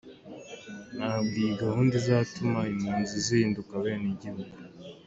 Ntabwo iyi gahunda izatuma impunzi zihinduka abenegihugu.